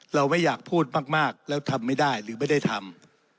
เราไม่อยากพูดมากแล้วทำไม่ได้หรือไม่ได้ทำ